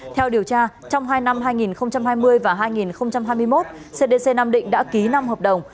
theo điều tra trong hai năm hai nghìn hai mươi và hai nghìn hai mươi một cdc nam định đã ký năm hợp đồng